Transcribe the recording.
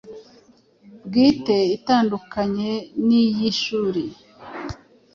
bwite itandukanye n'iy'ishuri,